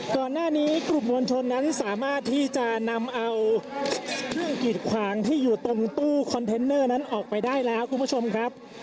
ก่อนหน้านี้กลุ่มมวลชนนั้นสามารถที่จะนำเอาเครื่องกิดขวางที่อยู่ตรงตู้คอนเทนเนอร์นั้นออกไปได้แล้วคุณผู้ชมครับ